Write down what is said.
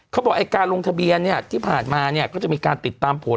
เขาบอกไอ้การลงทะเบียนเนี่ยที่ผ่านมาเนี่ยก็จะมีการติดตามผล